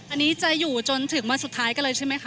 อันนี้จะอยู่จนถึงวันสุดท้ายกันเลยใช่ไหมคะ